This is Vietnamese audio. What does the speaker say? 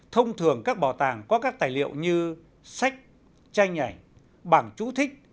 thông thường các bảo tàng có các tài liệu như sách tranh ảnh bảng chú thích